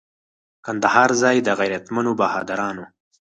کندهار ځای د غیرتمنو بهادرانو.